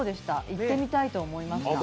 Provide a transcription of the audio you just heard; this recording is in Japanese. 行ってみたいと思いました。